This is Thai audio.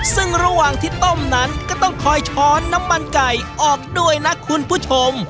ซึ่งระหว่างที่ต้มนั้นก็ต้องคอยช้อนน้ำมันไก่ออกด้วยนะคุณผู้ชม